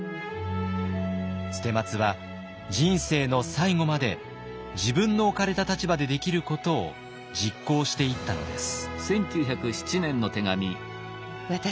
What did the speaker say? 捨松は人生の最後まで自分の置かれた立場でできることを実行していったのです。